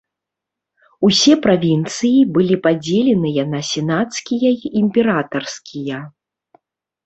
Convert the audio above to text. Усе правінцыі былі падзеленыя на сенацкія і імператарскія.